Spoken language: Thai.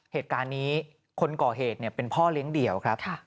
เหตุการณ์นี้คนก่อเหตุเป็นพ่อเลี้ยงเดี่ยวครับ